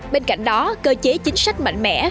bên cạnh đó cơ chế chính sách mạnh mẽ